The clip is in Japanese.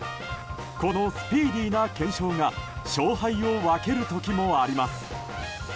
このスピーディーな検証が勝敗を分ける時もあります。